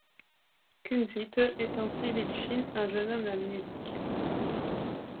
Kunzite est en civil Shin, un jeune homme amnésique.